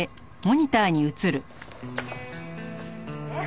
「えっ？